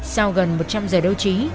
sau gần một trăm linh giờ đấu trí